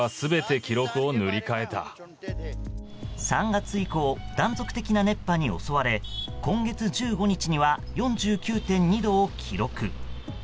３月以降断続的な熱波に襲われ今月１５日には４９．２度を記録。